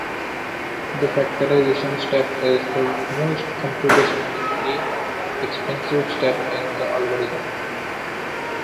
The factorization step is the most computationally expensive step in the algorithm.